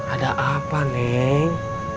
ada apa neng